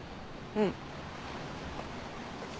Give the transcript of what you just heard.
うん。